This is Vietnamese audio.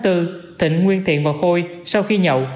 thịnh nguyên thiện và khôi sau khi nhậu